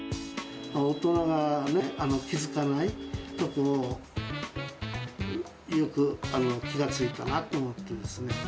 大人がね、気付かない所を、よく気が付いたなと思ってですね。